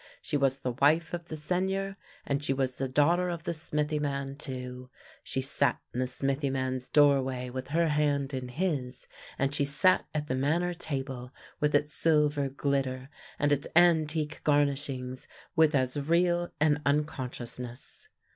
She was the wife of the Seigneur, and she was the daughter of the smithy man too. She sat in the smithy man's doorway with her hand in his, and she sat at the manor table with its silver glitter, and its antique garnishings, with as real an unconsciousness.